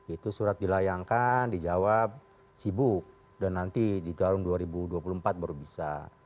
itu surat dilayangkan dijawab sibuk dan nanti di tahun dua ribu dua puluh empat baru bisa